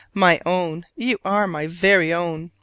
My own, you are my very own!